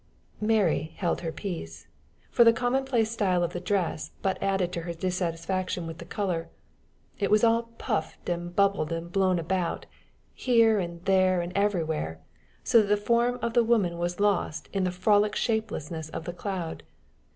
Mary held her peace, for the commonplace style of the dress but added to her dissatisfaction with the color. It was all puffed and bubbled and blown about, here and there and everywhere, so that the form of the woman was lost in the frolic shapelessness of the cloud.